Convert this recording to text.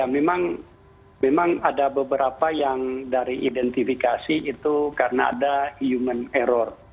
memang ada beberapa yang dari identifikasi itu karena ada human error